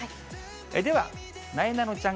では、なえなのちゃん